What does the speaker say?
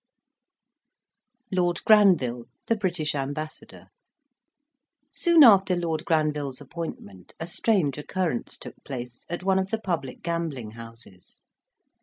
LORD GRANVILLE, THE BRITISH AMBASSADOR Soon after Lord Granville's appointment, a strange occurrence took place at one of the public gambling houses.